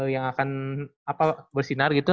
yang akan bersinar gitu